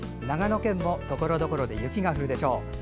長野県も、ところどころで雪が降るでしょう。